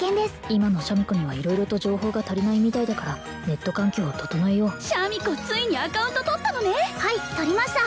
今のシャミ子には色々と情報が足りないみたいだからネット環境を整えようついにアカウント取ったのねはい取りました！